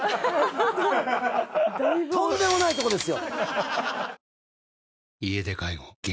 とんでもないとこですよ！